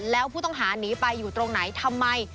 แล้วผู้ต้องหาหนีไปอยู่ตรงไหนทำไม